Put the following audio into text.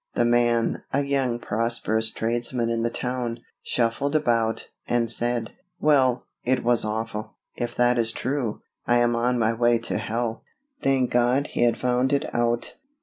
The man, a young, prosperous tradesman in the town, shuffled about, and said: "Well, it was awful; if that is true, I am on my way to hell." Thank God he had found it out.